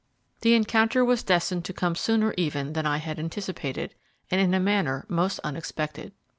The encounter was destined to come sooner even than I had anticipated, and in a manner most unexpected.